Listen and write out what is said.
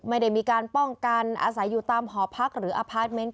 ไม่ได้มีการป้องกันอาศัยอยู่ตามหอพักหรืออพาร์ทเมนต์